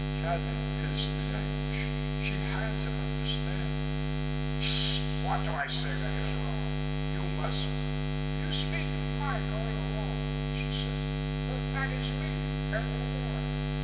Cadnan hissed in anguish. She had to understand.... "What do I say that is wrong? You must " "You speak of my going alone," she said. "But that is me, and no more.